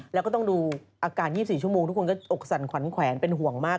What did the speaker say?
แล้วก็ต้องดูอาการ๒๔ชั่วโมงทุกคนก็อกสั่นขวัญแขวนเป็นห่วงมาก